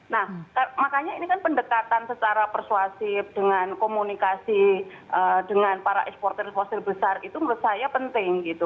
nah makanya ini kan pendekatan secara persuasif dengan komunikasi dengan para eksportir fosil besar itu menurut saya penting gitu